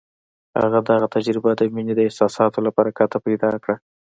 هغه دغه تجربه د مينې د احساساتو له برکته پيدا کړه.